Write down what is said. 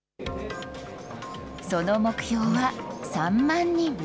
その目標は３万人。